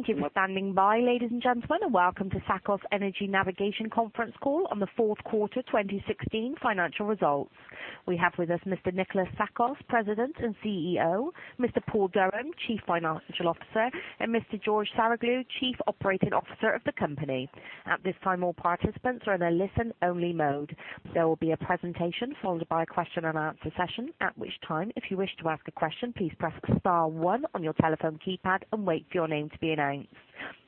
Thank you for standing by, ladies and gentlemen. Welcome to Tsakos Energy Navigation conference call on the fourth quarter 2016 financial results. We have with us Mr. Nikolas Tsakos, President and CEO, Mr. Paul Durham, Chief Financial Officer, and Mr. George Saroglou, Chief Operating Officer of the company. At this time, all participants are in a listen only mode. There will be a presentation followed by a question and answer session. At which time, if you wish to ask a question, please press star one on your telephone keypad and wait for your name to be announced.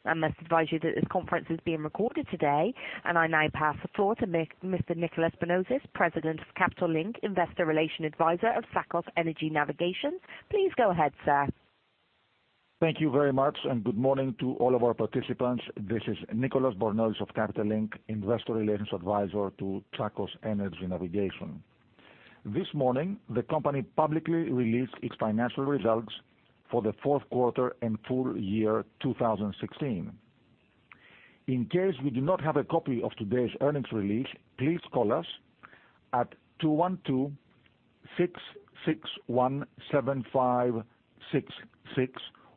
I must advise you that this conference is being recorded today. I now pass the floor to Mr. Nicolas Bornozis, President of Capital Link, Investor Relations Advisor of Tsakos Energy Navigation. Please go ahead, sir. Thank you very much. Good morning to all of our participants. This is Nicolas Bornozis of Capital Link, investor relations advisor to Tsakos Energy Navigation. This morning, the company publicly released its financial results for the fourth quarter and full year 2016. In case you do not have a copy of today's earnings release, please call us at 212-661-7566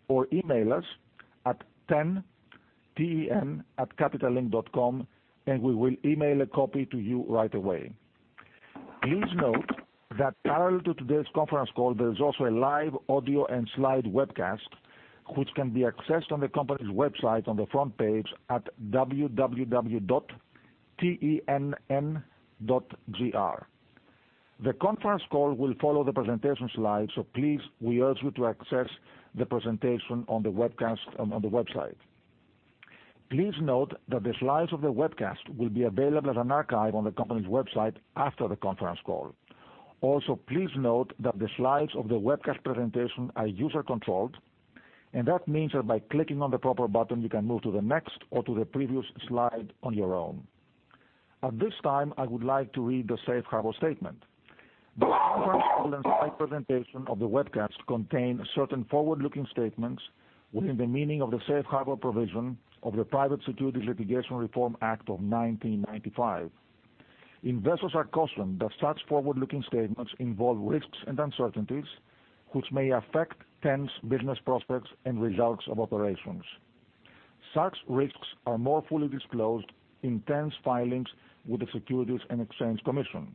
or email us at TEN, T-E-N, @capitallink.com. We will email a copy to you right away. Please note that parallel to today's conference call, there is also a live audio and slide webcast, which can be accessed on the company's website on the front page at www.ten.gr. The conference call will follow the presentation slides. Please, we urge you to access the presentation on the webcast on the website. Please note that the slides of the webcast will be available as an archive on the company's website after the conference call. Also, please note that the slides of the webcast presentation are user-controlled. That means that by clicking on the proper button, you can move to the next or to the previous slide on your own. At this time, I would like to read the safe harbor statement. The conference call and slide presentation of the webcast contain certain forward-looking statements within the meaning of the safe harbor provision of the Private Securities Litigation Reform Act of 1995. Investors are cautioned that such forward-looking statements involve risks and uncertainties, which may affect TEN's business prospects and results of operations. Such risks are more fully disclosed in TEN's filings with the Securities and Exchange Commission.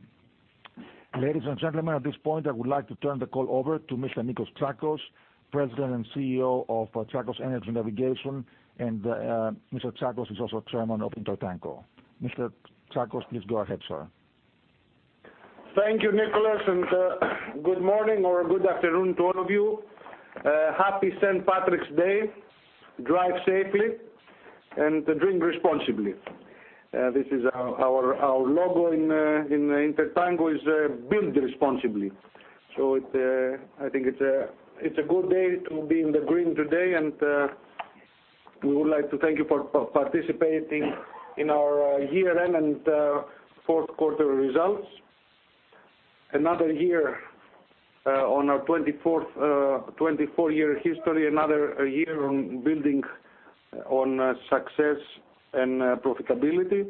Ladies and gentlemen, at this point, I would like to turn the call over to Mr. Nikolas Tsakos, President and CEO of Tsakos Energy Navigation. Mr. Tsakos is also Chairman of INTERTANKO. Mr. Tsakos, please go ahead, sir. Thank you, Nicolas, and good morning or good afternoon to all of you. Happy St. Patrick's Day. Drive safely and drink responsibly. This is our logo in INTERTANKO is build responsibly. I think it's a good day to be in the green today, and we would like to thank you for participating in our year-end and fourth quarter results. Another year on our 24-year history, another year on building on success and profitability.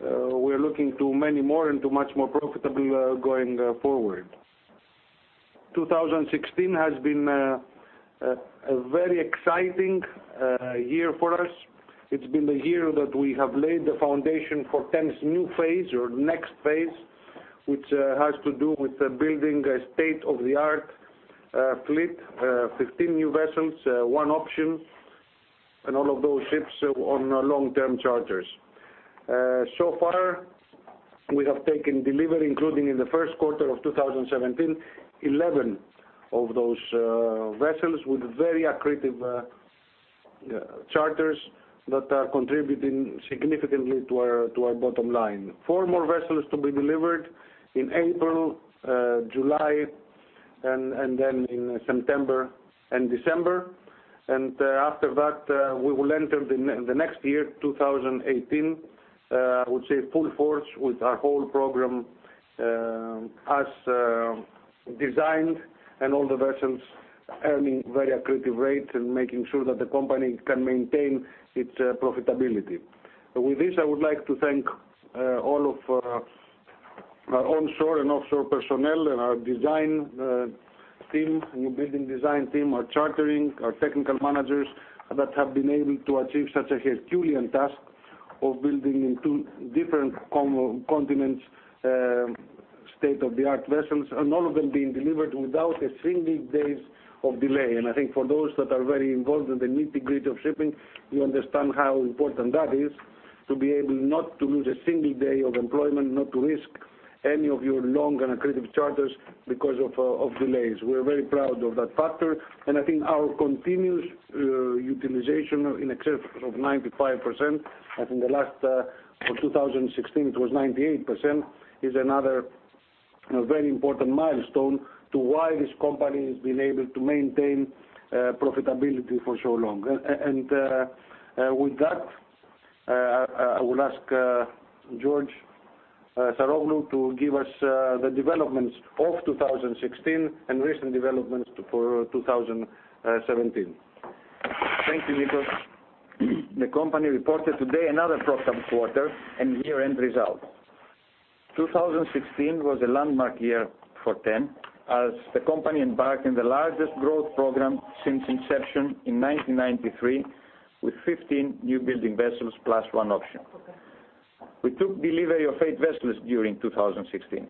We're looking to many more and to much more profitable going forward. 2016 has been a very exciting year for us. It's been the year that we have laid the foundation for TEN's new phase or next phase, which has to do with building a state-of-the-art fleet, 15 new vessels, one option, and all of those ships on long-term charters. Far, we have taken delivery, including in the first quarter of 2017, 11 of those vessels with very accretive charters that are contributing significantly to our bottom line. Four more vessels to be delivered in April, July, then in September and December. After that, we will enter the next year, 2018, I would say full force with our whole program as designed and all the vessels earning very accretive rates and making sure that the company can maintain its profitability. With this, I would like to thank all of our onshore and offshore personnel and our design team, new building design team, our chartering, our technical managers, that have been able to achieve such a Herculean task of building in two different continents, state-of-the-art vessels, and all of them being delivered without a single days of delay. I think for those that are very involved in the nitty-gritty of shipping, you understand how important that is to be able not to lose a single day of employment, not to risk any of your long and accretive charters because of delays. We're very proud of that factor, and I think our continuous utilization in excess of 95%, I think the last of 2016 it was 98%, is another very important milestone to why this company has been able to maintain profitability for so long. With that, I will ask George Saroglou to give us the developments of 2016 and recent developments for 2017. Thank you, Nikos. The company reported today another profitable quarter and year-end result. 2016 was a landmark year for TEN, as the company embarked on the largest growth program since inception in 1993, with 15 new building vessels plus one option. We took delivery of eight vessels during 2016.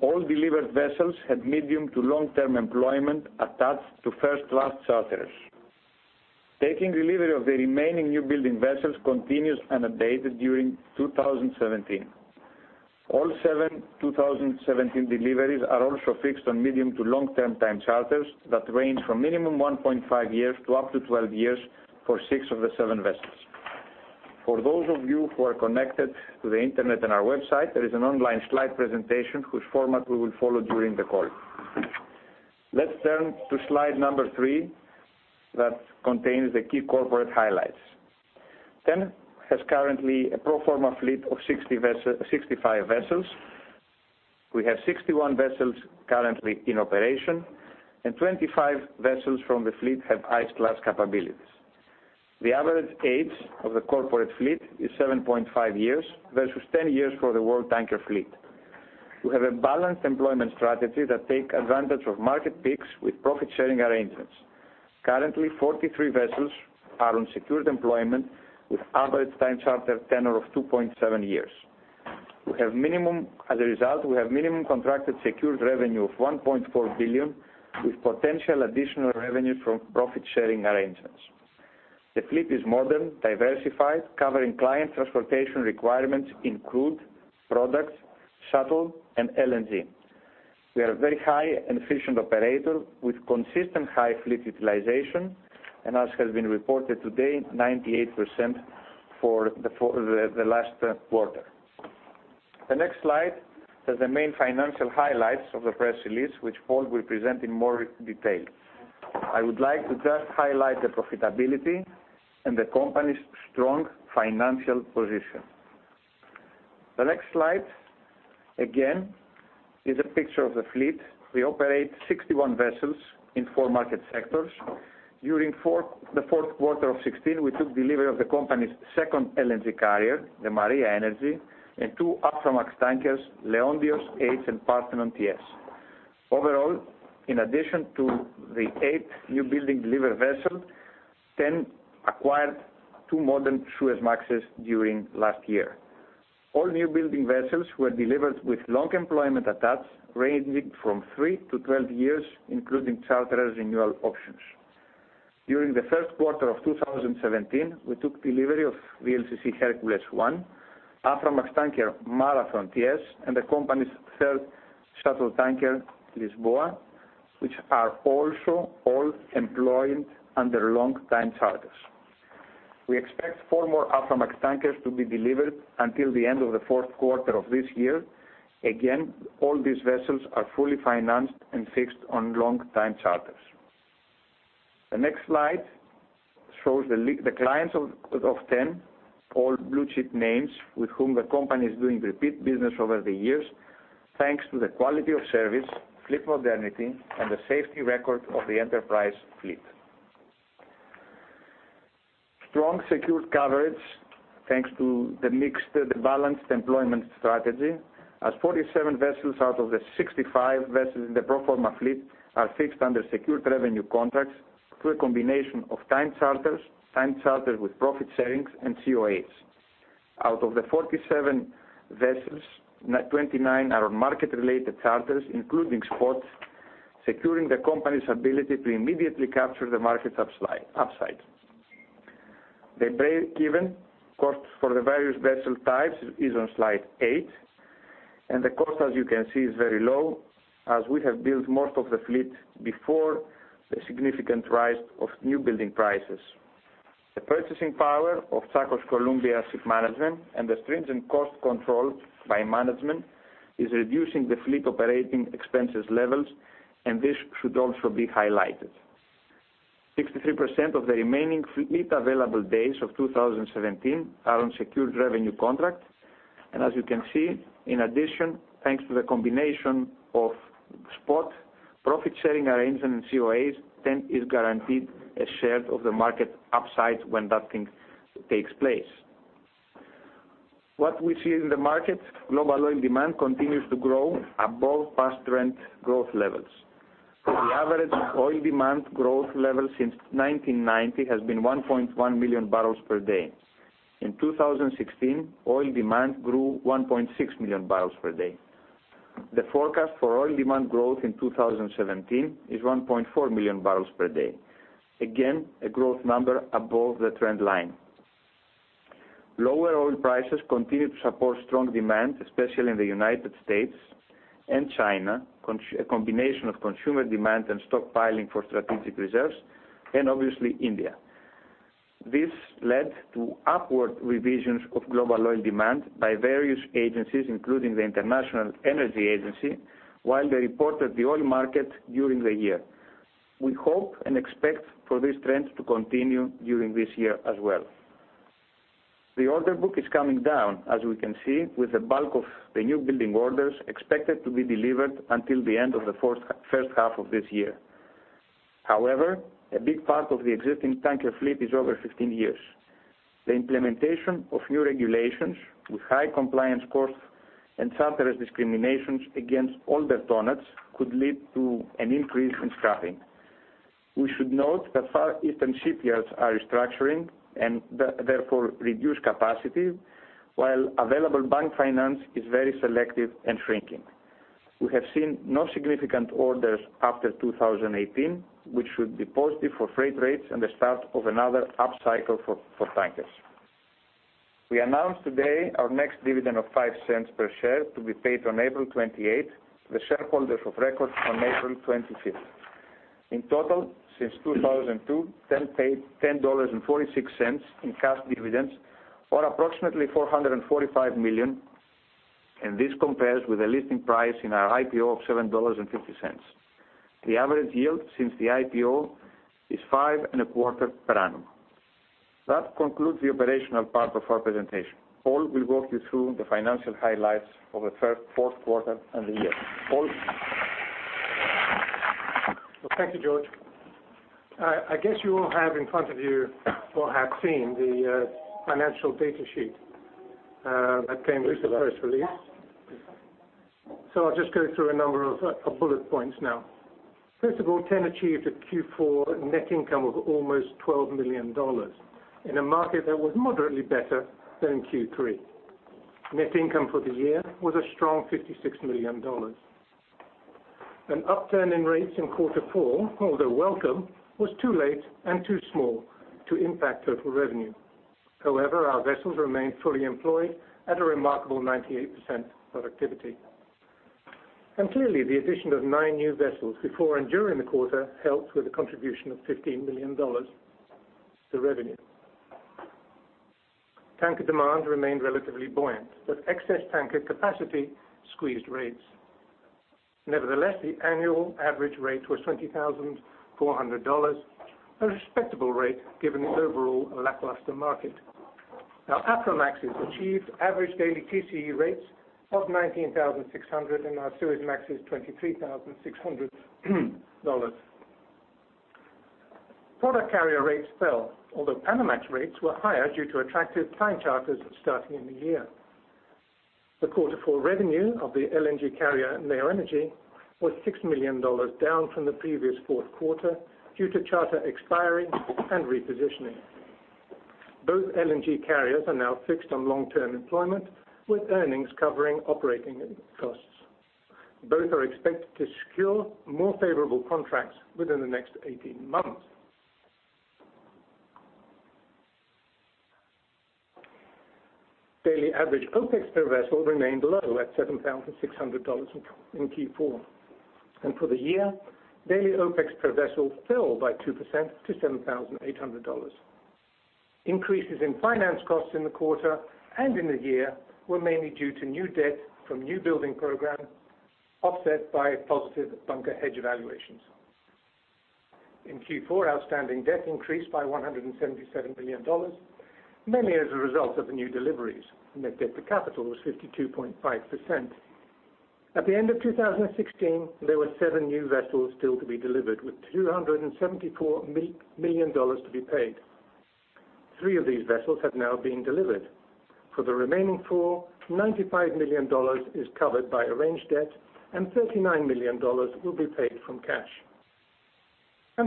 All delivered vessels had medium to long-term employment attached to first-class charterers. Taking delivery of the remaining new building vessels continues unabated during 2017. All seven 2017 deliveries are also fixed on medium to long-term time charters that range from a minimum of 1.5 years to up to 12 years for six of the seven vessels. For those of you who are connected to the internet on our website, there is an online slide presentation whose format we will follow during the call. Let's turn to slide number three that contains the key corporate highlights. TEN has currently a pro forma fleet of 65 vessels. We have 61 vessels currently in operation, 25 vessels from the fleet have ice class capabilities. The average age of the corporate fleet is 7.5 years versus 10 years for the world tanker fleet. We have a balanced employment strategy that takes advantage of market peaks with profit-sharing arrangements. Currently, 43 vessels are on secured employment with an average time charter tenure of 2.7 years. As a result, we have a minimum contracted secured revenue of $1.4 billion with potential additional revenue from profit-sharing arrangements. The fleet is modern, diversified, covering client transportation requirements in crude, products, shuttle, and LNG. We are a very high and efficient operator with consistent high fleet utilization, as has been reported today, 98% for the last quarter. The next slide has the main financial highlights of the press release, which Paul will present in more detail. I would like to just highlight the profitability and the company's strong financial position. The next slide, again, is a picture of the fleet. We operate 61 vessels in four market sectors. During the fourth quarter of 2016, we took delivery of the company's second LNG carrier, the Maria Energy, and two Aframax tankers, Leontios H and Parthenon TS. Overall, in addition to the eight new building delivered vessels, TEN acquired two modern Suezmaxes during last year. All new building vessels were delivered with long employment attached, ranging from three to 12 years, including charter renewal options. During the first quarter of 2017, we took delivery of VLCC Hercules I, Aframax tanker Marathon TS, and the company's third shuttle tanker, Lisboa, which are also all employed under long-time charters. We expect four more Aframax tankers to be delivered until the end of the fourth quarter of this year. Again, all these vessels are fully financed and fixed on long-time charters. The next slide shows the clients of TEN, all blue-chip names with whom the company is doing repeat business over the years, thanks to the quality of service, fleet modernity, and the safety record of the enterprise fleet. Strong secured coverage, thanks to the mixed balanced employment strategy, as 47 vessels out of the 65 vessels in the pro forma fleet are fixed under secured revenue contracts through a combination of time charters, time charters with profit sharing, and COAs. Out of the 47 vessels, 29 are market-related charters, including spots, securing the company's ability to immediately capture the market upside. The break-even cost for the various vessel types is on slide eight, and the cost, as you can see, is very low as we have built most of the fleet before the significant rise of new building prices. The purchasing power of Tsakos Columbia Shipmanagement and the stringent cost control by management is reducing the fleet operating expenses levels, and this should also be highlighted. 63% of the remaining fleet available days of 2017 are on secured revenue contracts. As you can see, in addition, thanks to the combination of spot profit-sharing arrangements and COAs, TEN is guaranteed a share of the market upside when that thing takes place. What we see in the market, global oil demand continues to grow above past trend growth levels. The average oil demand growth level since 1990 has been 1.1 million barrels per day. In 2016, oil demand grew to 1.6 million barrels per day. The forecast for oil demand growth in 2017 is 1.4 million barrels per day. Again, a growth number above the trend line. Lower oil prices continue to support strong demand, especially in the United States and China, a combination of consumer demand and stockpiling for strategic reserves, and obviously India. This led to upward revisions of global oil demand by various agencies, including the International Energy Agency, while they reported the oil market during the year. We hope and expect for this trend to continue during this year as well. The order book is coming down, as we can see, with the bulk of the new building orders expected to be delivered until the end of the first half of this year. However, a big part of the existing tanker fleet is over 15 years. The implementation of new regulations with high compliance costs and charterers discriminations against older tonnages could lead to an increase in scrapping. We should note that Far Eastern shipyards are restructuring and therefore reduce capacity, while available bank finance is very selective and shrinking. We have seen no significant orders after 2018, which should be positive for freight rates and the start of another upcycle for tankers. We announce today our next dividend of $0.05 per share to be paid on April 28th, the shareholders of record on April 25th. In total, since 2002, TEN paid $10.46 in cash dividends or approximately $445 million, and this compares with a listing price in our IPO of $7.50. The average yield since the IPO is five and a quarter per annum. That concludes the operational part of our presentation. Paul will walk you through the financial highlights of the fourth quarter and the year. Paul? Well, thank you, George. I guess you all have in front of you or have seen the financial data sheet that came with the press release. I'll just go through a number of bullet points now. First of all, TEN achieved a Q4 net income of almost $12 million in a market that was moderately better than Q3. Net income for the year was a strong $56 million. An upturn in rates in quarter four, although welcome, was too late and too small to impact total revenue. However, our vessels remained fully employed at a remarkable 98% productivity. Clearly, the addition of nine new vessels before and during the quarter helped with a contribution of $15 million to revenue. Tanker demand remained relatively buoyant, but excess tanker capacity squeezed rates. Nevertheless, the annual average rate was $20,400, a respectable rate given the overall lackluster market. Aframaxes achieved average daily TCE rates of $19,600 and our Suezmax is $23,600. Product carrier rates fell, although Panamax rates were higher due to attractive time charters starting in the year. The quarter four revenue of the LNG carrier Neo Energy was $6 million, down from the previous fourth quarter due to charter expiry and repositioning. Both LNG carriers are now fixed on long-term employment, with earnings covering operating costs. Both are expected to secure more favorable contracts within the next 18 months. Daily average OPEX per vessel remained low at $7,600 in Q4. For the year, daily OPEX per vessel fell by 2% to $7,800. Increases in finance costs in the quarter and in the year were mainly due to new debt from new building program, offset by positive bunker hedge evaluations. In Q4, outstanding debt increased by $177 million, mainly as a result of the new deliveries. Net debt to capital was 52.5%. At the end of 2016, there were seven new vessels still to be delivered, with $274 million to be paid. Three of these vessels have now been delivered. For the remaining four, $95 million is covered by arranged debt, and $39 million will be paid from cash.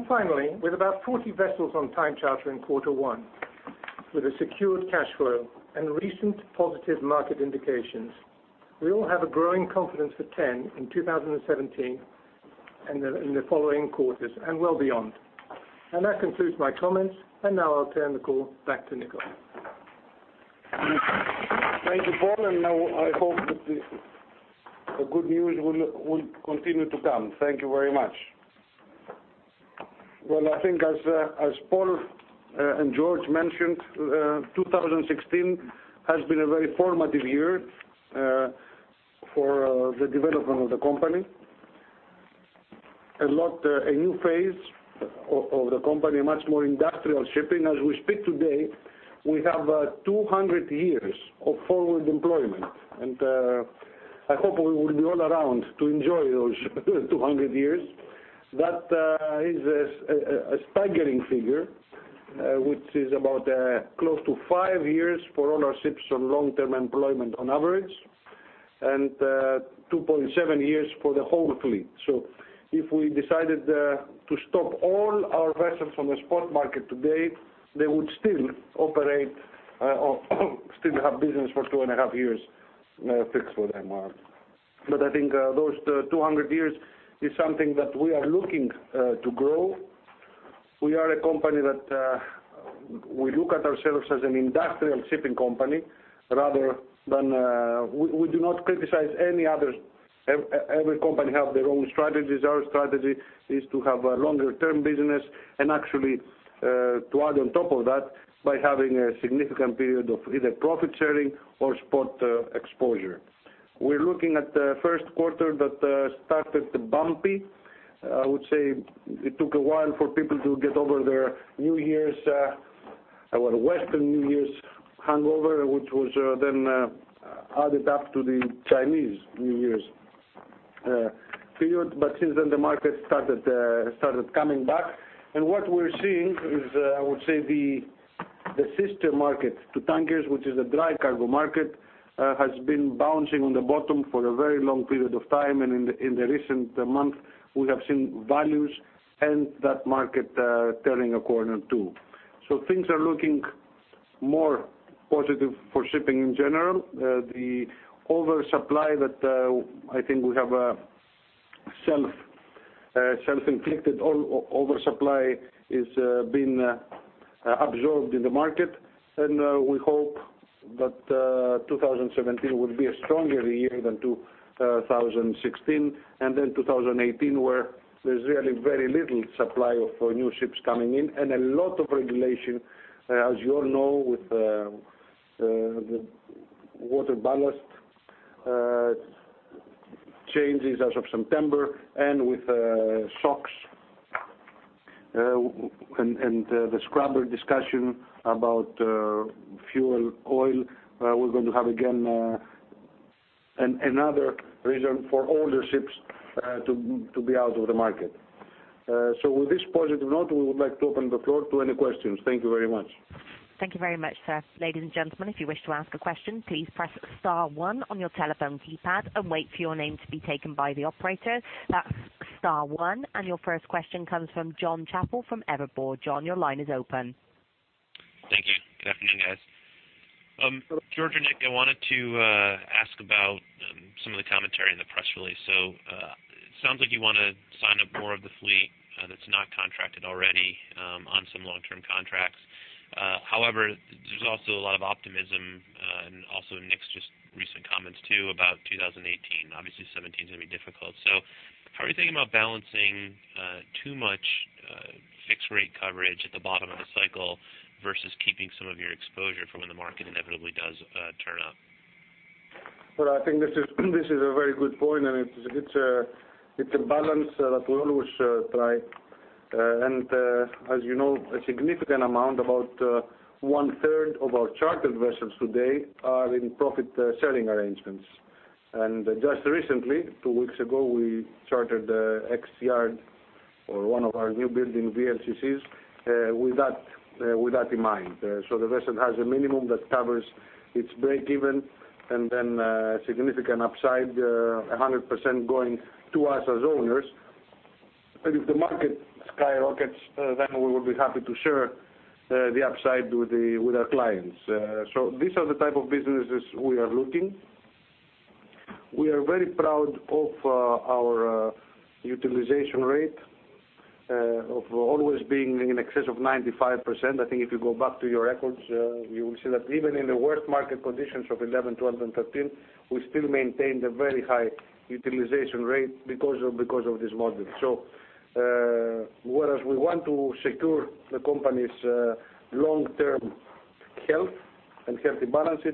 Finally, with about 40 vessels on time charter in quarter one, with a secured cash flow and recent positive market indications, we all have a growing confidence for TEN in 2017 and in the following quarters and well beyond. That concludes my comments, and now I'll turn the call back to Nikos. Thank you, Paul, and now I hope that the good news will continue to come. Thank you very much. I think as Paul and George mentioned, 2016 has been a very formative year for the development of the company. A new phase of the company, much more industrial shipping. As we speak today, we have 200 years of forward employment, and I hope we will be all around to enjoy those 200 years. That is a staggering figure, which is about close to five years for all our ships on long-term employment on average, and 2.7 years for the whole fleet. If we decided to stop all our vessels from the spot market today, they would still have business for two and a half years fixed for them. I think those 200 years is something that we are looking to grow. We are a company that we look at ourselves as an industrial shipping company. We do not criticize any others. Every company have their own strategies. Our strategy is to have a longer-term business and actually to add on top of that by having a significant period of either profit sharing or spot exposure. We're looking at the first quarter that started bumpy. I would say it took a while for people to get over their Western New Year's hangover, which was then added up to the Chinese New Year's period. Since then, the market started coming back. What we're seeing is, I would say, the sister market to tankers, which is the dry cargo market, has been bouncing on the bottom for a very long period of time. In the recent month, we have seen values and that market turning a corner, too. Things are looking more positive for shipping in general. The oversupply that I think we have self-inflicted oversupply is being absorbed in the market, and we hope that 2017 will be a stronger year than 2016, and then 2018 where there's really very little supply of new ships coming in and a lot of regulation, as you all know, with the water ballast changes as of September and with SOx and the scrubber discussion about fuel oil we're going to have again, another reason for older ships to be out of the market. With this positive note, we would like to open the floor to any questions. Thank you very much. Thank you very much, sir. Ladies and gentlemen, if you wish to ask a question, please press star one on your telephone keypad and wait for your name to be taken by the operator. That's star one. Your first question comes from Jonathan Chappell from Evercore. John, your line is open. Thank you. Good afternoon, guys. George and Nick, I wanted to ask about some of the commentary in the press release. It sounds like you want to sign up more of the fleet that's not contracted already on some long-term contracts. However, there's also a lot of optimism and also Nick's just recent comments, too, about 2018. Obviously, 2017 is going to be difficult. How are you thinking about balancing too much fixed rate coverage at the bottom of the cycle versus keeping some of your exposure for when the market inevitably does turn up? I think this is a very good point, and it's a balance that we always try. As you know, a significant amount, about one-third of our chartered vessels today are in profit-sharing arrangements. Just recently, two weeks ago, we chartered ex-yard or one of our new building VLCCs with that in mind. The vessel has a minimum that covers its break-even and then a significant upside, 100% going to us as owners. If the market skyrockets, then we would be happy to share the upside with our clients. These are the type of businesses we are looking. We are very proud of our utilization rate of always being in excess of 95%. I think if you go back to your records, you will see that even in the worst market conditions of 2011, 2012, and 2013, we still maintained a very high utilization rate because of this model. Whereas we want to secure the company's long-term health and healthy balances,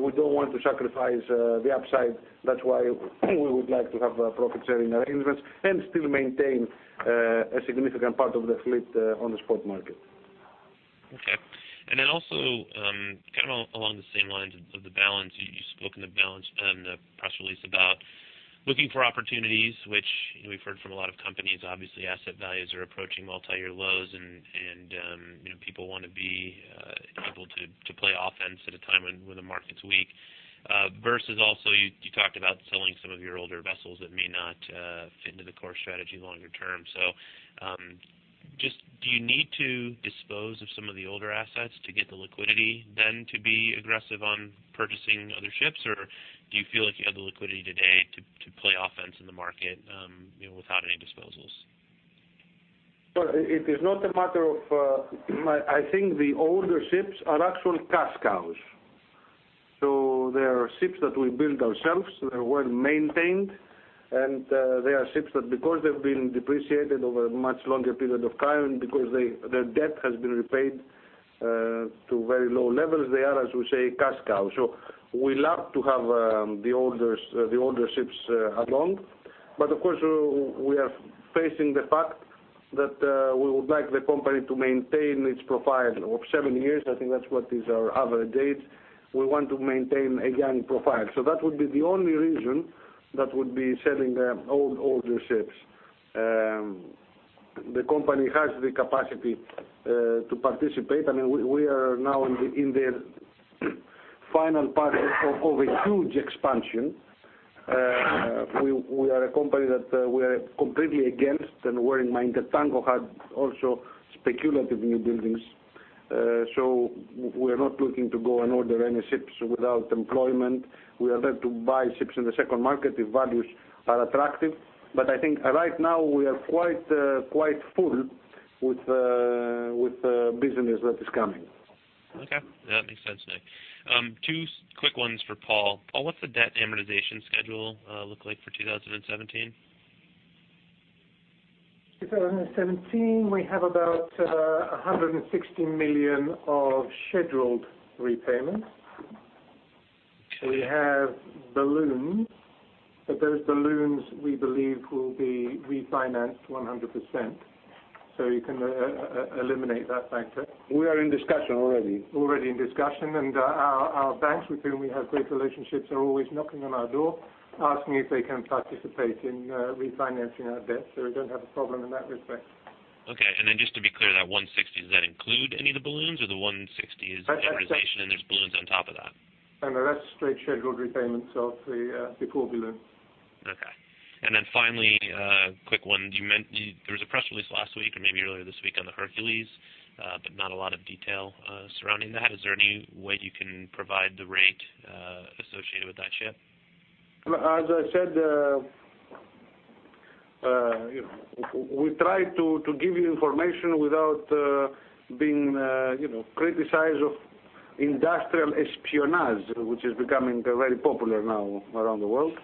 we don't want to sacrifice the upside. That's why we would like to have profit-sharing arrangements and still maintain a significant part of the fleet on the spot market. Okay. Also, along the same lines of the balance, you spoke in the press release about looking for opportunities, which we've heard from a lot of companies. Obviously, asset values are approaching multi-year lows, and people want to be able to play offense at a time when the market's weak. Versus also, you talked about selling some of your older vessels that may not fit into the core strategy longer term. Just do you need to dispose of some of the older assets to get the liquidity then to be aggressive on purchasing other ships? Or do you feel like you have the liquidity today to play offense in the market without any disposals? It is not a matter of that. I think the older ships are actual cash cows. They are ships that we build ourselves. They were well-maintained, and they are ships that because they've been depreciated over a much longer period of time, because their debt has been repaid to very low levels, they are, as we say, cash cows. We love to have the older ships along. Of course, we are facing the fact that we would like the company to maintain its profile of seven years. I think that's what is our average date. We want to maintain a young profile. That would be the only reason that would be selling the older ships. The company has the capacity to participate. We are now in the final part of a huge expansion. We are a company that we are completely against the worrying mind that Tango had also speculative new buildings. We're not looking to go and order any ships without employment. We are there to buy ships in the second market if values are attractive. I think right now we are quite full with business that is coming. Okay. That makes sense, Nick. Two quick ones for Paul. Paul, what's the debt amortization schedule look like for 2017? 2017, we have about $160 million of scheduled repayments. We have balloons, those balloons, we believe will be refinanced 100%. You can eliminate that factor. We are in discussion already. Already in discussion, our banks with whom we have great relationships are always knocking on our door asking if they can participate in refinancing our debt. We don't have a problem in that respect. Okay, just to be clear, that $160, does that include any of the balloons or the $160 is amortization, and there's balloons on top of that? No, that's straight scheduled repayments of the core balloon. Okay. Finally, a quick one. There was a press release last week or maybe earlier this week on the Hercules, not a lot of detail surrounding that. Is there any way you can provide the rate associated with that ship? As I said, we try to give you information without being criticized of industrial espionage, which is becoming very popular now around the world.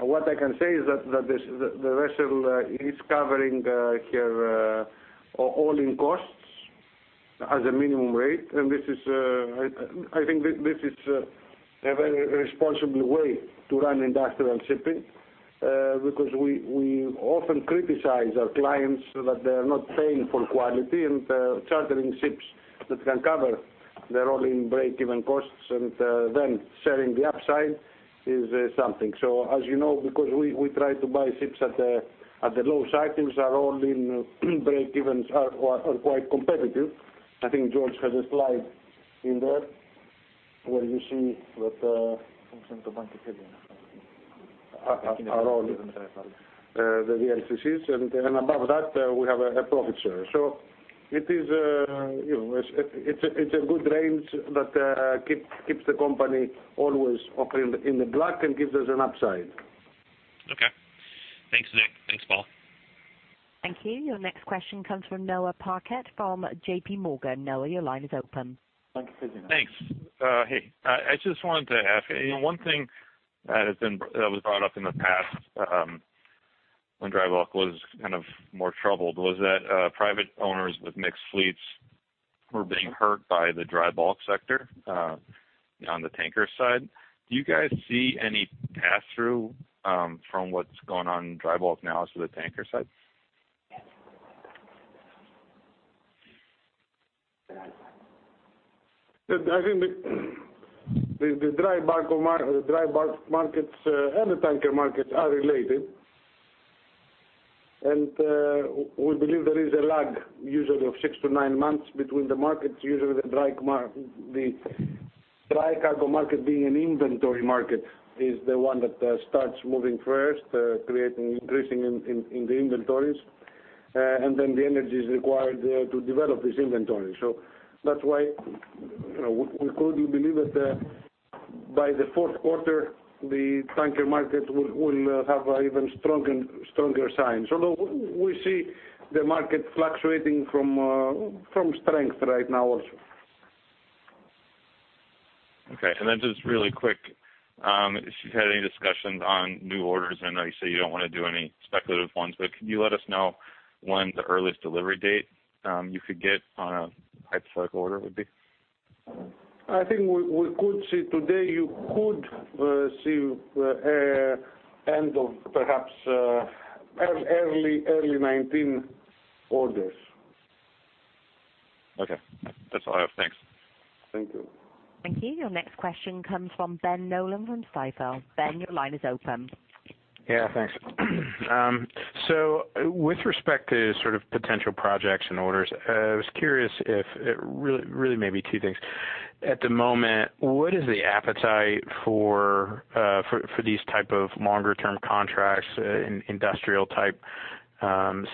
What I can say is that the vessel is covering here all-in costs as a minimum rate. I think this is a very responsible way to run industrial shipping because we often criticize our clients that they are not paying for quality, and chartering ships that can cover their all-in break-even costs and then sharing the upside is something. As you know, because we try to buy ships at the low cycles, our all-in break-evens are quite competitive. I think George has a slide in there where you see that are all the VLCCs, and above that, we have a profit share. It's a good range that keeps the company always operating in the black and gives us an upside. Okay. Thanks, Nick. Thanks, Paul. Thank you. Your next question comes from Noah Parquette from JP Morgan. Noah, your line is open. Thank you. Thanks. Hey, I just wanted to ask, one thing that was brought up in the past when dry bulk was more troubled was that private owners with mixed fleets were being hurt by the dry bulk sector on the tanker side. Do you guys see any pass-through from what is going on in dry bulk now to the tanker side? I think the dry bulk markets and the tanker markets are related. We believe there is a lag usually of six to nine months between the markets. Usually, the dry cargo market being an inventory market is the one that starts moving first, increasing in the inventories. The energy is required to develop this inventory. That is why we could believe that by the fourth quarter, the tanker market will have even stronger signs, although we see the market fluctuating from strength right now also. Okay. Just really quick, if you have had any discussions on new orders, I know you say you do not want to do any speculative ones, but can you let us know when the earliest delivery date you could get on a hypothetical order would be? I think we could see today, you could see end of perhaps early 2019 orders. Okay. That's all I have. Thanks. Thank you. Thank you. Your next question comes from Ben Nolan from Stifel. Ben, your line is open. Yeah. Thanks. With respect to potential projects and orders, I was curious if, really maybe two things. At the moment, what is the appetite for these type of longer-term contracts in industrial type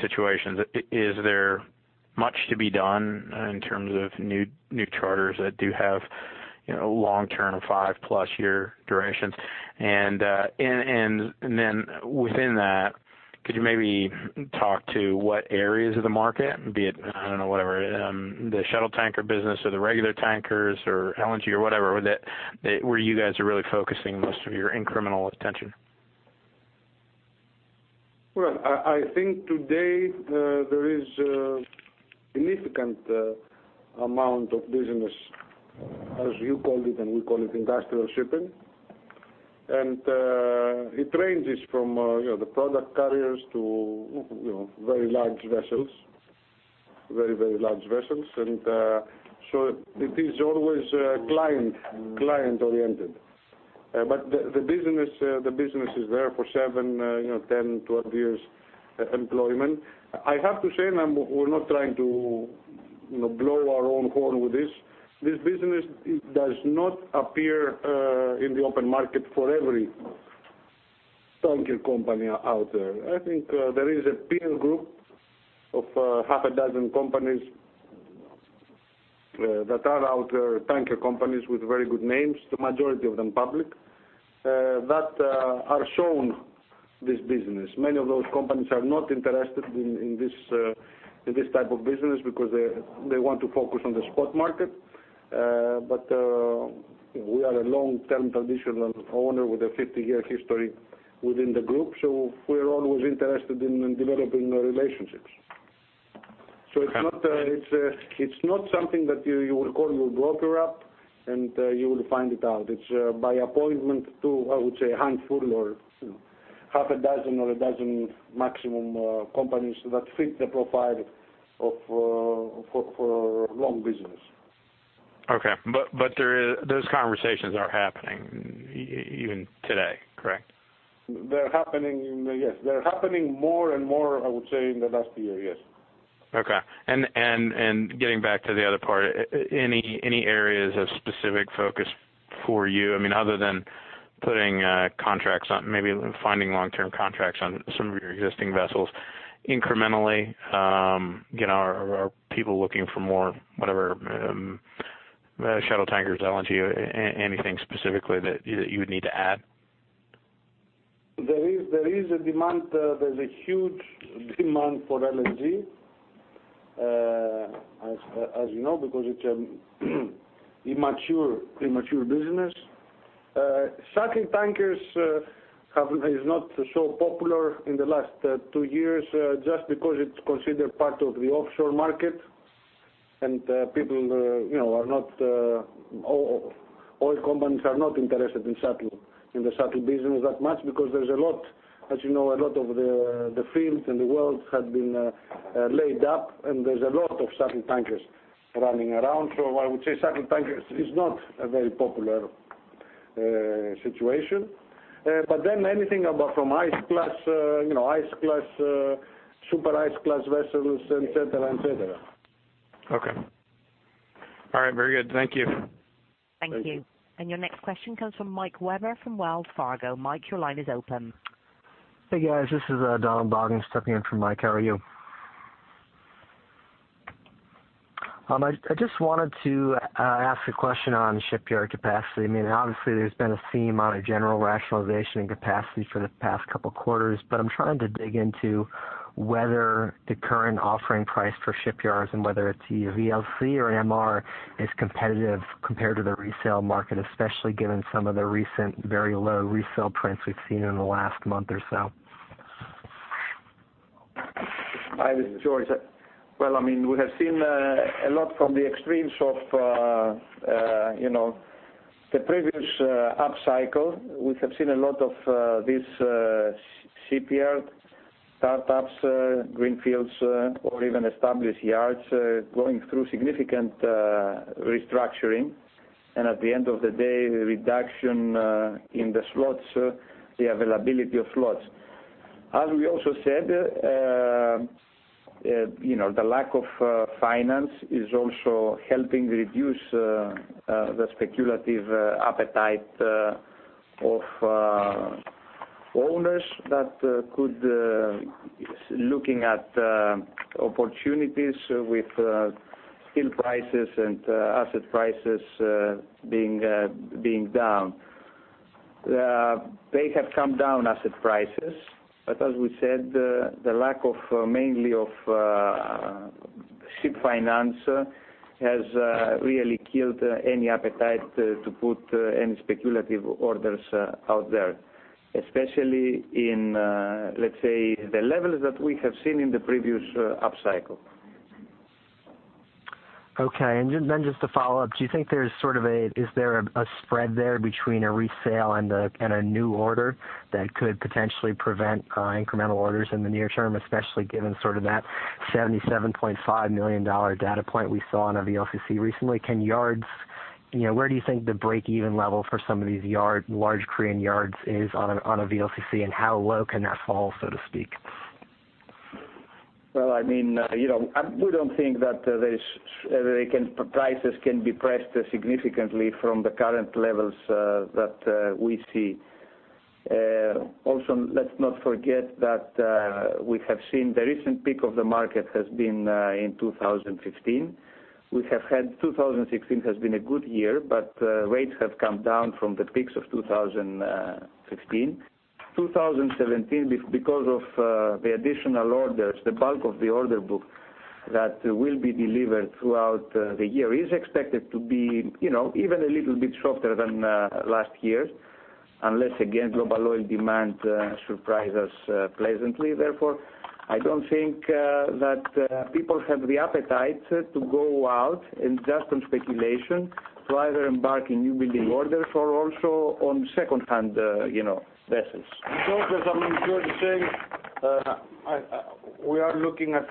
situations? Is there much to be done in terms of new charters that do have long-term, five-plus year durations? Within that, could you maybe talk to what areas of the market, be it, I don't know, whatever, the shuttle tanker business or the regular tankers or LNG or whatever, where you guys are really focusing most of your incremental attention? I think today there is a significant amount of business, as you call it, we call it industrial shipping. It ranges from the product carriers to very large vessels. Very, very large vessels. It is always client-oriented. The business is there for seven, 10, 12 years employment. I have to say, we're not trying to blow our own horn with this. This business does not appear in the open market for every tanker company out there. I think there is a peer group of half a dozen companies that are out there, tanker companies with very good names, the majority of them public, that are shown this business. Many of those companies are not interested in this type of business because they want to focus on the spot market. We are a long-term traditional owner with a 50-year history within the group, we're always interested in developing relationships. It's not something that you will call your broker up and you will find it out. It's by appointment to, I would say, handful or half a dozen or a dozen maximum companies that fit the profile for long business. Okay. Those conversations are happening even today, correct? They're happening, yes. They're happening more and more, I would say, in the last year, yes. Okay. Getting back to the other part, any areas of specific focus for you? Other than putting contracts on, maybe finding long-term contracts on some of your existing vessels incrementally, are people looking for more shuttle tankers, LNG, anything specifically that you would need to add? There is a demand. There's a huge demand for LNG, as you know, because it's a premature business. Shuttle tankers is not so popular in the last two years just because it's considered part of the offshore market, and oil companies are not interested in the shuttle business that much because there's a lot, as you know, a lot of the fields in the world have been laid up, and there's a lot of shuttle tankers running around. I would say shuttle tankers is not a very popular situation. Anything from ice class, super ice class vessels, et cetera. Okay. All right, very good. Thank you. Thank you. Your next question comes from Mike Webber from Wells Fargo. Mike, your line is open. Hey, guys. This is Donald Bogden stepping in for Mike. How are you? I just wanted to ask a question on shipyard capacity. Obviously, there has been a theme on a general rationalization in capacity for the past couple quarters, but I am trying to dig into whether the current offering price for shipyards and whether it is VLCC or MR is competitive compared to the resale market, especially given some of the recent very low resale prints we have seen in the last month or so. Hi, this is George. Well, we have seen a lot from the extremes of the previous upcycle. We have seen a lot of these shipyard startups, greenfield, or even established yards going through significant restructuring, and at the end of the day, reduction in the slots, the availability of slots. As we also said, the lack of finance is also helping reduce the speculative appetite of owners that could be looking at opportunities with steel prices and asset prices being down. They have come down, asset prices, but as we said, the lack mainly of ship finance has really killed any appetite to put any speculative orders out there, especially in, let us say, the levels that we have seen in the previous upcycle. Okay. Then just to follow up, is there a spread there between a resale and a new order that could potentially prevent incremental orders in the near term, especially given that $77.5 million data point we saw on a VLCC recently? Where do you think the break-even level for some of these large Korean yards is on a VLCC, and how low can that fall, so to speak? We do not think that prices can be pressed significantly from the current levels that we see. Also, let us not forget that we have seen the recent peak of the market has been in 2015. 2016 has been a good year, but rates have come down from the peaks of 2016. 2017, because of the additional orders, the bulk of the order book that will be delivered throughout the year is expected to be even a little bit softer than last year, unless, again, global oil demand surprise us pleasantly. Therefore, I do not think that people have the appetite to go out and just on speculation to either embark in new building orders or also on second-hand vessels. George, as I'm sure you're saying, we are looking at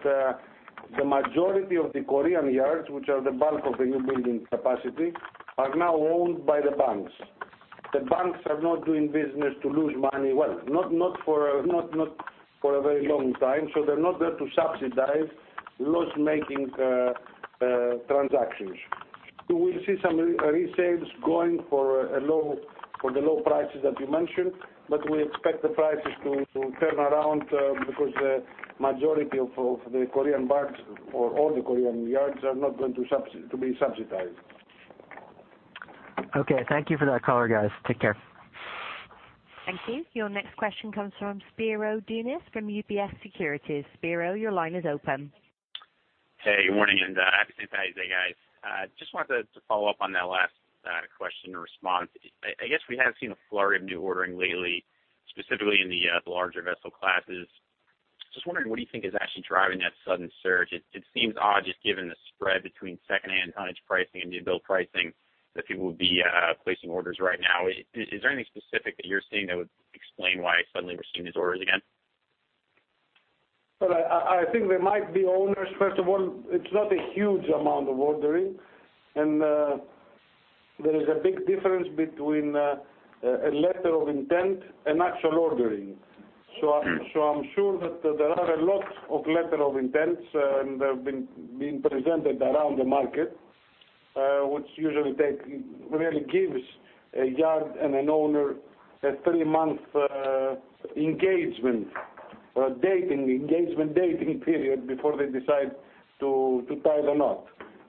the majority of the Korean yards, which are the bulk of the new building capacity, are now owned by the banks. The banks are not doing business to lose money, well, not for a very long time, so they're not there to subsidize loss-making transactions. We will see some resales going for the low prices that you mentioned, but we expect the prices to turn around because the majority of the Korean banks or all the Korean yards are not going to be subsidized. Okay. Thank you for that color, guys. Take care. Thank you. Your next question comes from Spiro Dounis from UBS Securities. Spiro, your line is open. Hey, good morning, and happy St. Patrick's Day, guys. Wanted to follow up on that last question and response. I guess we have seen a flurry of new ordering lately, specifically in the larger vessel classes. Wondering, what do you think is actually driving that sudden surge? It seems odd, just given the spread between secondhand tonnage pricing and new build pricing, that people would be placing orders right now. Is there anything specific that you're seeing that would explain why suddenly we're seeing these orders again? I think there might be owners. First of all, it's not a huge amount of ordering, and there is a big difference between a letter of intent and actual ordering. I'm sure that there are a lot of letter of intents, and they've been being presented around the market, which usually really gives a yard and an owner a 3-month engagement or dating engagement period before they decide to tie the knot.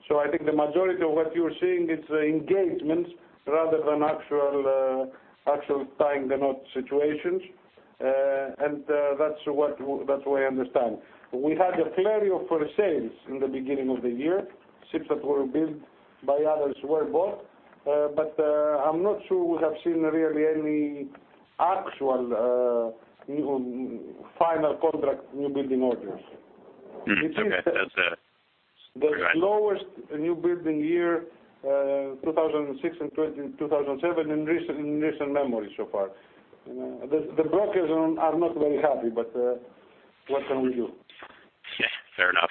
I think the majority of what you're seeing is engagements rather than actual tying-the-knot situations. That's the way I understand. We had a flurry of for sales in the beginning of the year. Ships that were built by others were bought. I'm not sure we have seen really any actual final contract new building orders. Okay. That's clear. All right. The slowest new building year, 2006 and 2007, in recent memory so far. The brokers are not very happy, what can we do? Fair enough.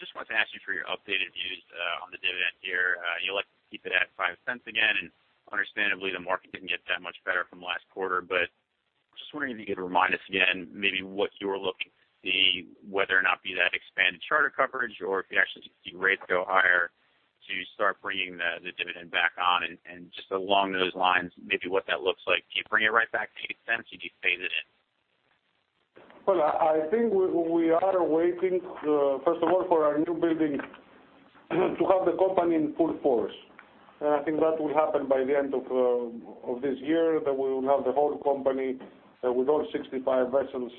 Just wanted to ask you for your updated views on the dividend here. You elected to keep it at $0.05 again, understandably, the market didn't get that much better from last quarter. Just wondering if you could remind us again maybe what you were looking to see, whether or not be that expanded charter coverage, or if you actually see rates go higher to start bringing the dividend back on. Just along those lines, maybe what that looks like. Do you bring it right back to $0.08, or do you phase it in? Well, I think we are waiting, first of all, for our new building to have the company in full force. I think that will happen by the end of this year, that we will have the whole company with all 65 vessels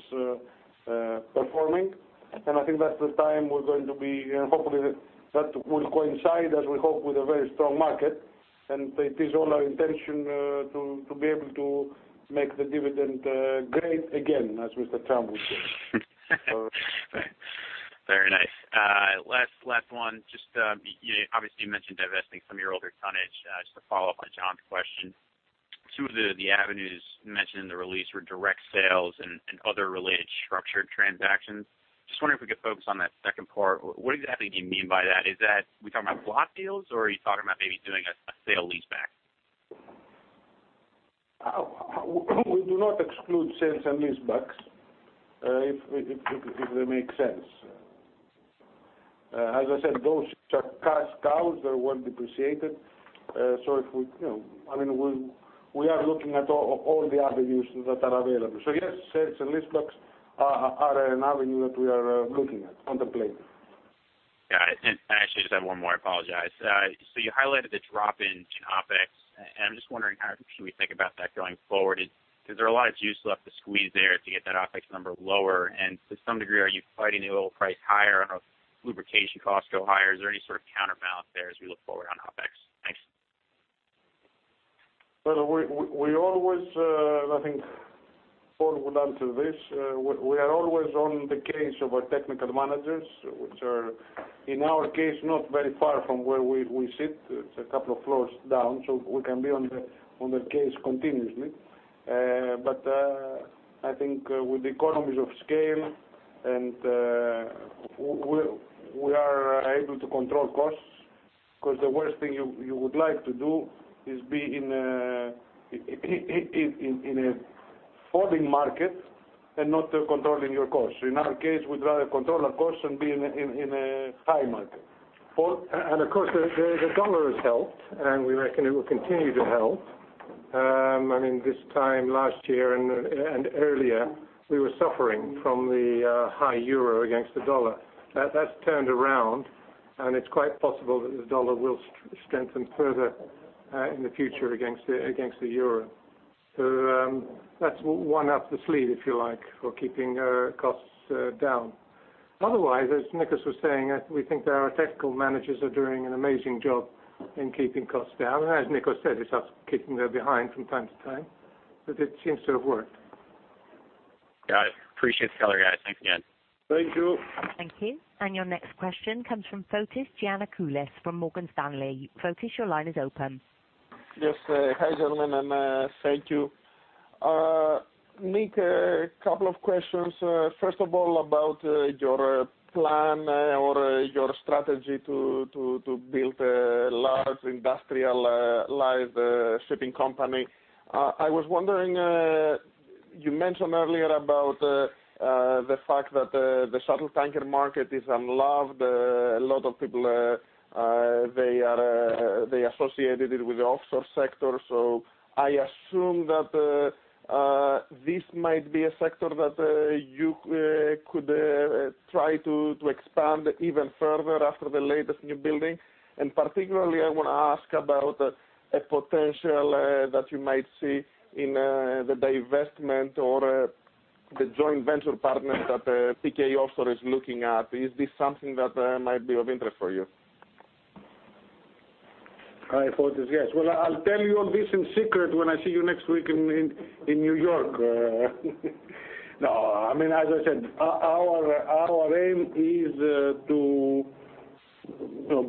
performing. I think that's the time we're going to be, hopefully, that will coincide, as we hope, with a very strong market. It is all our intention to be able to make the dividend great again, as Mr. Trump would say. Very nice. Last one. Obviously, you mentioned divesting some of your older tonnage. Just to follow up on John's question, two of the avenues mentioned in the release were direct sales and other related structured transactions. Just wondering if we could focus on that second part. What exactly do you mean by that? Are we talking about block deals, or are you talking about maybe doing a sale-leaseback? We do not exclude sales and leasebacks if they make sense. As I said, those are cash cows. They're well depreciated. We are looking at all the avenues that are available. Yes, sales and leasebacks are an avenue that we are looking at, contemplating. Got it. I actually just have one more. I apologize. You highlighted the drop in OpEx, and I'm just wondering how we should think about that going forward. Is there a lot of juice left to squeeze there to get that OpEx number lower? To some degree, are you finding the oil price higher and the lubrication costs go higher? Is there any sort of counterbalance there as we look forward on OpEx? Thanks. Well, we always, and I think Paul will add to this, we are always on the case of our technical managers, which are, in our case, not very far from where we sit. It's a couple of floors down, so we can be on the case continuously. I think with economies of scale, we are able to control costs because the worst thing you would like to do is be in a falling market and not controlling your costs. In our case, we'd rather control our costs than be in a high market. Paul? Of course, the dollar has helped, and we reckon it will continue to help. This time last year and earlier, we were suffering from the high euro against the dollar. That's turned around, and it's quite possible that the dollar will strengthen further in the future against the euro. That's one up the sleeve, if you like, for keeping costs down. Otherwise, as Nikos was saying, we think that our technical managers are doing an amazing job in keeping costs down. As Nikos said, it's us kicking their behind from time to time, but it seems to have worked. Got it. Appreciate the color, guys. Thanks again. Thank you. Thank you. Your next question comes from Fotis Giannakoulis from Morgan Stanley. Fotis, your line is open. Yes. Hi, gentlemen, thank you. Nik, a couple of questions. First of all, about your plan or your strategy to build a large industrialized shipping company. I was wondering, you mentioned earlier about the fact that the shuttle tanker market is unloved. A lot of people associated it with the offshore sector. I assume that this might be a sector that you could try to expand even further after the latest new building. Particularly, I want to ask about a potential that you might see in the divestment or The joint venture partners that Teekay Offshore is looking at, is this something that might be of interest for you? I suppose, yes. I'll tell you all this in secret when I see you next week in New York. As I said, our aim is to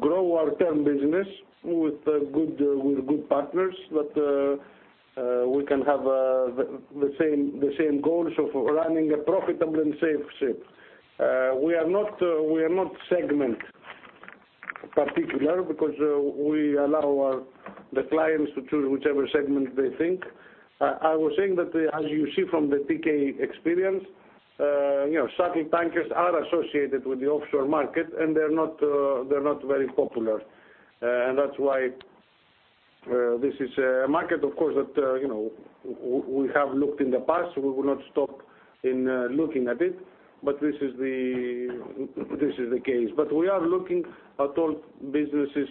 grow our term business with good partners that we can have the same goals of running a profitable and safe ship. We are not segment particular because we allow the clients to choose whichever segment they think. I was saying that as you see from the TK experience, shuttle tankers are associated with the offshore market, they're not very popular. That's why this is a market, of course, that we have looked in the past, we will not stop in looking at it, but this is the case. We are looking at all businesses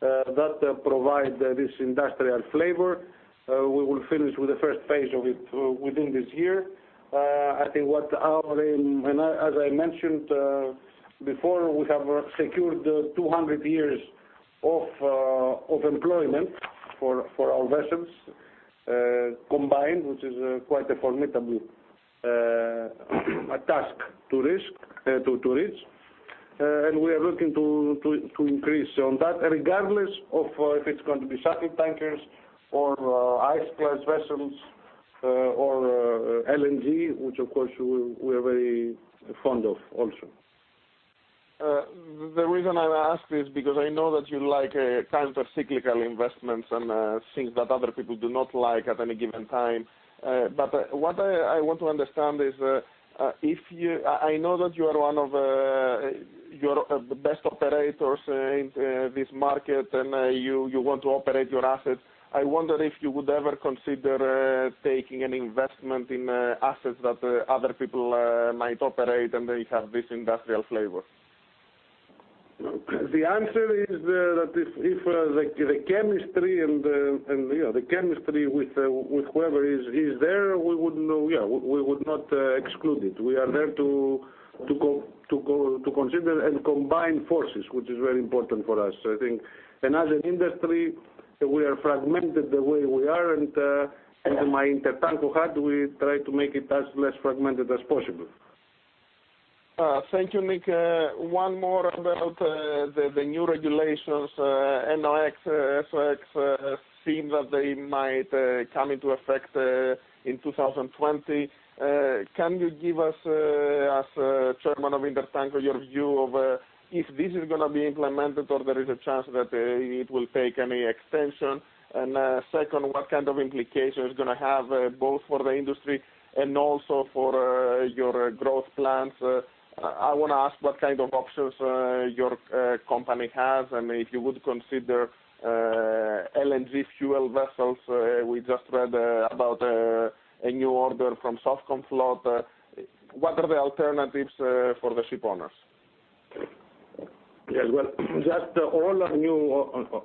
that provide this industrial flavor. We will finish with the first phase of it within this year. As I mentioned before, we have secured 200 years of employment for our vessels combined, which is quite a formidable task to reach. We are looking to increase on that regardless of if it's going to be shuttle tankers or ice class vessels or LNG, which of course, we're very fond of also. The reason I ask is because I know that you like counter-cyclical investments and things that other people do not like at any given time. What I want to understand is, I know that you are one of the best operators in this market, and you want to operate your assets. I wonder if you would ever consider taking an investment in assets that other people might operate, and they have this industrial flavor. The answer is that if the chemistry with whoever is there, we would not exclude it. We are there to consider and combine forces, which is very important for us. I think, as an industry, we are fragmented the way we are, and under my INTERTANKO hat, we try to make it as less fragmented as possible. Thank you, Nick. One more about the new regulations, NOx, SOx, seem that they might come into effect in 2020. Can you give us, as chairman of INTERTANKO, your view of if this is going to be implemented or there is a chance that it will take any extension? Second, what kind of implication it's going to have both for the industry and also for your growth plans? I want to ask what kind of options your company has, and if you would consider LNG fuel vessels. We just read about a new order from Sovcomflot. What are the alternatives for the ship owners? Well,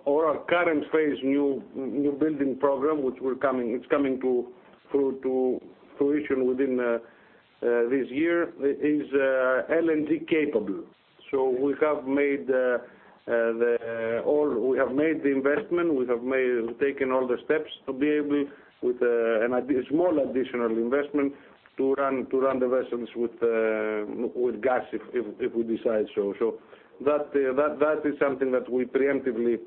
all our current phase new building program, which is coming to fruition within this year, is LNG capable. We have made the investment, we have taken all the steps to be able, with a small additional investment, to run the vessels with gas if we decide so. That is something that we preemptively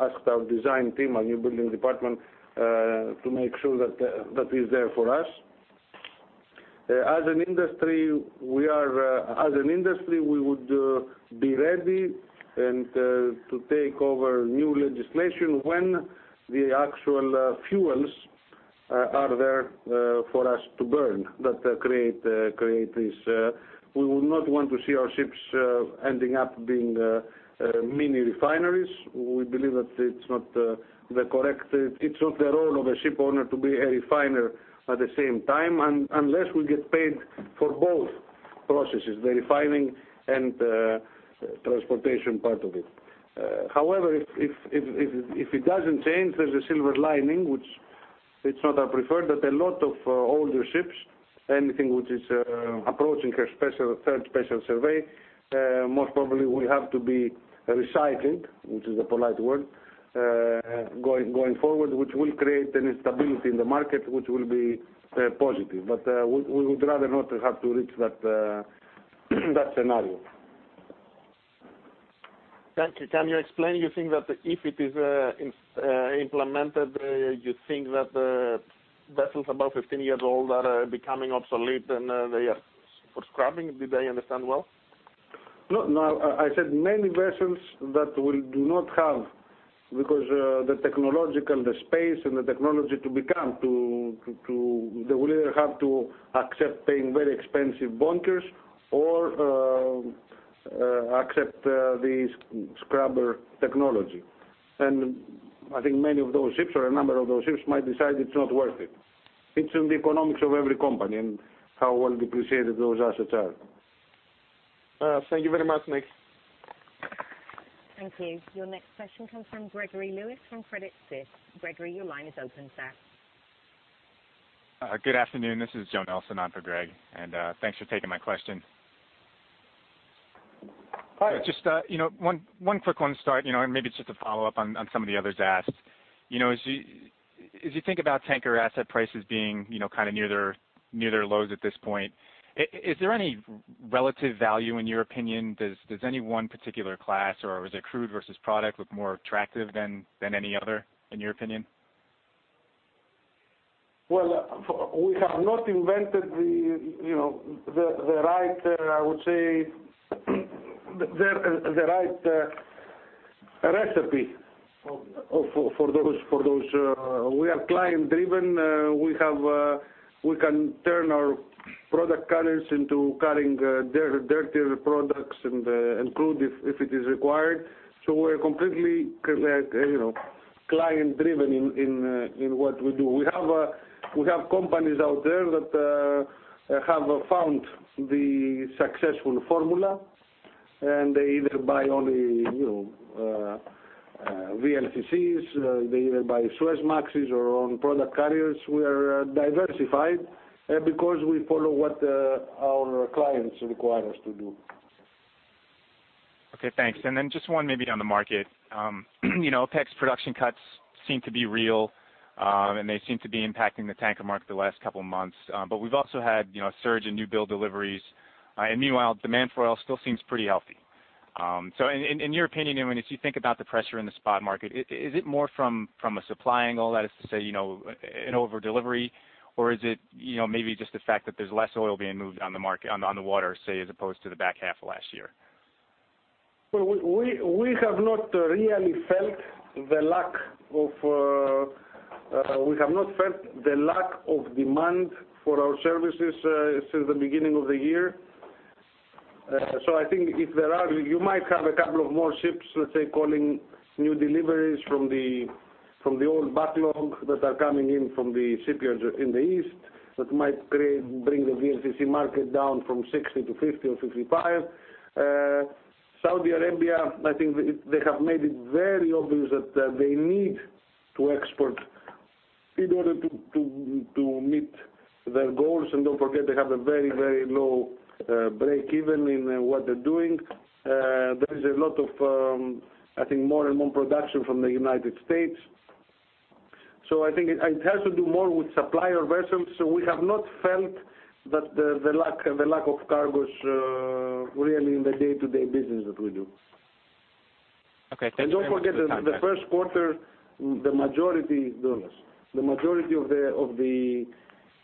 asked our design team, our new building department, to make sure that is there for us. As an industry, we would be ready to take over new legislation when the actual fuels are there for us to burn, that create this. We would not want to see our ships ending up being mini refineries. We believe that it's not the role of a ship owner to be a refiner at the same time, unless we get paid for both processes, the refining and transportation part of it. If it doesn't change, there's a silver lining, which is not our preferred, that a lot of older ships, anything which is approaching her third special survey, most probably will have to be recycled, which is a polite word, going forward, which will create an instability in the market which will be positive. We would rather not have to reach that scenario. Thank you. Can you explain, you think that if it is implemented, you think that vessels above 15 years old are becoming obsolete, and they are for scrapping? Did I understand well? No. I said many vessels that do not have the space and the technology to become, they will either have to accept paying very expensive bunkers or accept the scrubber technology. I think many of those ships or a number of those ships might decide it's not worth it. It's in the economics of every company and how well depreciated those assets are. Thank you very much, Nick. Thank you. Your next question comes from Gregory Lewis from Credit Suisse. Gregory, your line is open, sir. Good afternoon. This is Joe Nelson on for Greg, and thanks for taking my question. Hi. Just one quick one to start, and maybe it's just a follow-up on some of the others asked. As you think about tanker asset prices being near their lows at this point, is there any relative value in your opinion? Does any one particular class, or is it crude versus product look more attractive than any other in your opinion? We have not invented the right, I would say, recipe for those. We are client-driven. We can turn our product carriers into carrying dirtier products and crude if it is required. We're completely client-driven in what we do. We have companies out there that have found the successful formula, and they either buy only VLCCs, they either buy Suezmaxes or on product carriers. We are diversified because we follow what our clients require us to do. Okay, thanks. Just one maybe on the market. OPEC's production cuts seem to be real, and they seem to be impacting the tanker market the last couple of months. We've also had a surge in new build deliveries. Meanwhile, demand for oil still seems pretty healthy. In your opinion, if you think about the pressure in the spot market, is it more from a supply angle, that is to say, an over-delivery, or is it maybe just the fact that there's less oil being moved on the water, say, as opposed to the back half of last year? We have not felt the lack of demand for our services since the beginning of the year. I think you might have a couple of more ships, let's say, calling new deliveries from the old backlog that are coming in from the shipyards in the East. That might bring the VLCC market down from 60 to 50 or 55. Saudi Arabia, I think they have made it very obvious that they need to export in order to meet their goals. Don't forget they have a very, very low break-even in what they're doing. There is a lot of, I think, more and more production from the United States. I think it has to do more with supplier versus we have not felt that the lack of cargoes really in the day-to-day business that we do. Okay. Thanks very much for your time. Don't forget, in the first quarter, the majority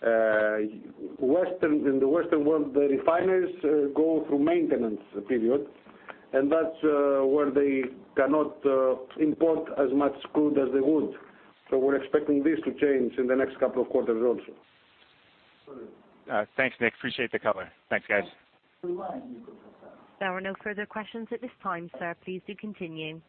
in the Western World, the refineries go through maintenance period, that's where they cannot import as much crude as they would. We're expecting this to change in the next couple of quarters also. Thanks, Nik. Appreciate the color. Thanks, guys. There are no further questions at this time, sir. Please do continue.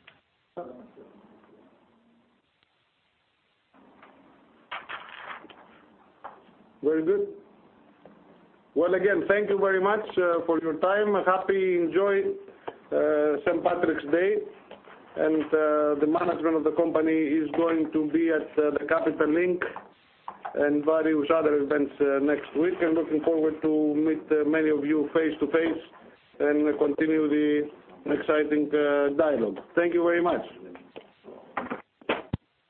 Very good. Again, thank you very much for your time. Enjoy St. Patrick's Day. The management of the company is going to be at the Capital Link and various other events next week. I'm looking forward to meet many of you face-to-face and continue the exciting dialogue. Thank you very much.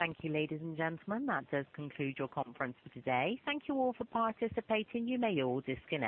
Thank you, ladies and gentlemen. That does conclude your conference for today. Thank you all for participating. You may all disconnect.